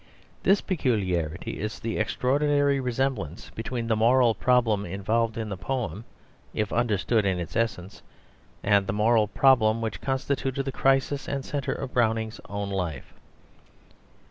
This peculiarity is the extraordinary resemblance between the moral problem involved in the poem if understood in its essence, and the moral problem which constituted the crisis and centre of Browning's own life.